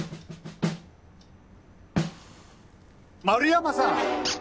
丸山さん！